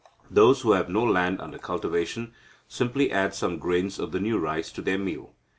Those who have no land under cultivation simply add some grains of the new rice to their meal.